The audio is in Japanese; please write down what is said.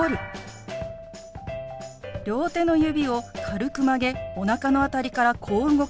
両手の指を軽く曲げおなかの辺りからこう動かします。